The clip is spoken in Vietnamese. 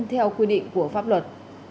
theo quy định của pháp luật